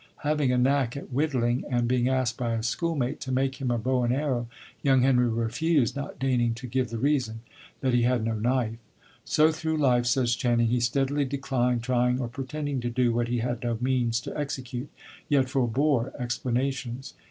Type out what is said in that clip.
Having a knack at whittling, and being asked by a schoolmate to make him a bow and arrow, young Henry refused, not deigning to give the reason, that he had no knife. "So through life," says Channing, "he steadily declined trying or pretending to do what he had no means to execute, yet forbore explanations."